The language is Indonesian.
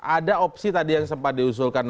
ada opsi tadi yang sempat diusulkan